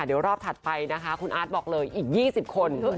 เดี๋ยวรอบถัดไปนะคะคุณอาร์ตบอกเลยอีก๒๐คน